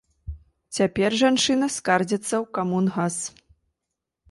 Цяпер жанчына скардзіцца ў камунгас.